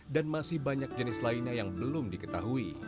dan masih banyak jenis lainnya yang belum diketahui